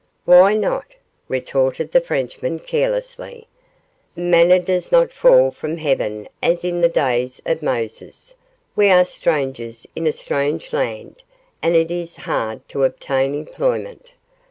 'Why not?' retorted the Frenchman, carelessly. 'Manna does not fall from heaven as in the days of Moses. We are strangers in a strange land, and it is hard to obtain employment.